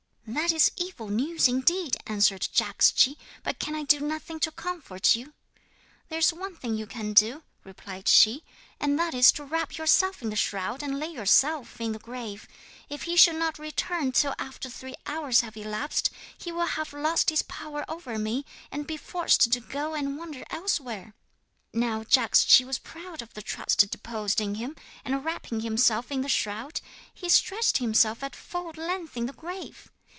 '"That is evil news indeed," answered Jagdschi; "but can I do nothing to comfort you?" '"There is one thing you can do," replied she, "and that is to wrap yourself in the shroud and lay yourself in the grave. If he should not return till after three hours have elapsed he will have lost his power over me, and be forced to go and wander elsewhere." 'Now Jagdschi was proud of the trust reposed in him, and wrapping himself in the shroud, he stretched himself at full length in the grave.